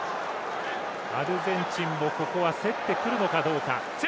アルゼンチンもここは競ってくるのかどうか。